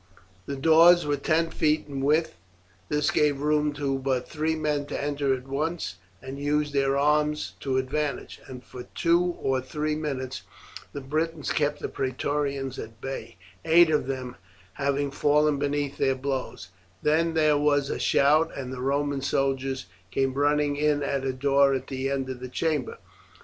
The doors were ten feet in width. This gave room to but three men to enter at once and use their arms to advantage, and for two or three minutes the Britons kept the Praetorians at bay, eight of them having fallen beneath their blows; then there was a shout, and the Roman soldiers came running in at a door at the end of the chamber.